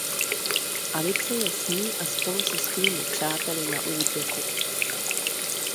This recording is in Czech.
Alice je s ní a spolu se svými přáteli na útěku.